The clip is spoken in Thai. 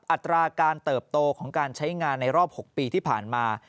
อัตราการเติบโตของการใช้งานในรอบ๖ปีที่ผ่านมา